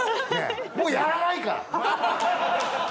もうやらないから。